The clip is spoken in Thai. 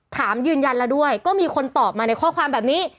ถามยืนยันแล้วด้วยก็มีคนตอบมาในข้อความแบบนี้